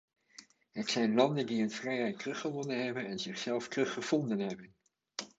Het zijn landen die hun vrijheid teruggewonnen hebben en zichzelf teruggevonden hebben.